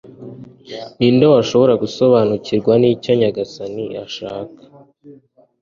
ni nde washobora gusobanukirwa n'icyo nyagasani ashaka